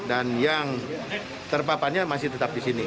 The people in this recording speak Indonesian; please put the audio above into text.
dan yang terpaparnya masih tetap di sini